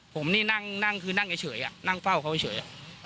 ผมนี่นั่งเฉยนั่งเฝ้าเขาเฉย